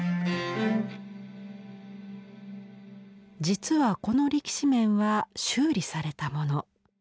実はこの力士面は修理されたもの。